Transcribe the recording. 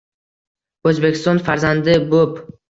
O‘zbekiston farzandi bo‘p